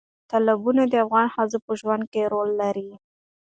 تالابونه د افغان ښځو په ژوند کې رول لري.